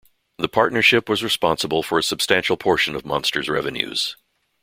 The partnership was responsible for a substantial portion of Monster's revenues.